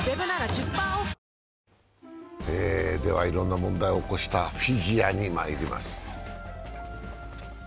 いろんな問題を起こしたフィギュアにまいります。